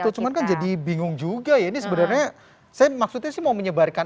terus cuman kan jadi bingung juga ya ini sebenarnya saya maksudnya sih mau menyebarkan